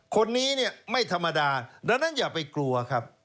คนนี้เนี่ยไม่ธรรมดาดังนั้นอย่าไปกลัวครับ